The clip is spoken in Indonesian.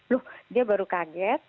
loh dia baru kaget